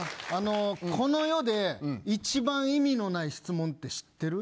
この世で一番意味のない質問って知ってる。